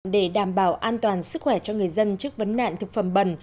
để đảm bảo an toàn sức khỏe cho người dân trước vấn nạn thực phẩm bẩn